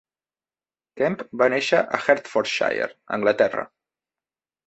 Kemp va néixer a Hertfordshire, Anglaterra.